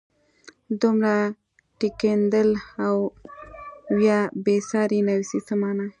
دومره ټینګېدل او یا بېسیار نویسي څه مانا.